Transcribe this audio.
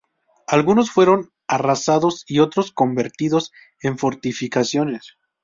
Algunos fueron arrasados y otros convertidos en fortificaciones.